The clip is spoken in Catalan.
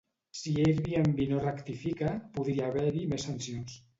Si Airbnb no rectifica, podria haver-hi més sancions.